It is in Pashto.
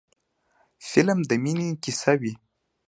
فلم د مینې کیسه وي